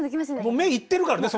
もう目イッてるからね。